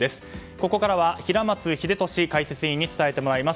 ここからは平松秀敏解説委員に伝えてもらいます。